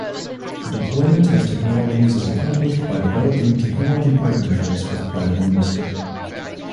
Deployment of technologies is accomplished by developing technology partnerships with private industry.